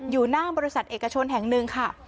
อยู่หน้าบริษัทเอกชนแห่งหนึ่งค่ะ